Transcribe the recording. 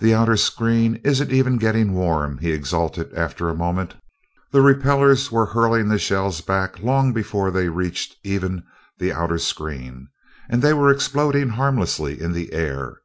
"The outer screen isn't even getting warm!" he exulted after a moment. The repellers were hurling the shells back long before they reached even the outer screen, and they were exploding harmlessly in the air.